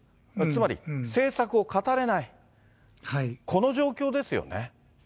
つまり政策を語れない、この状況ですよね。